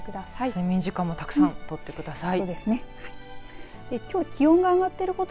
睡眠時間もたくさん取ってください。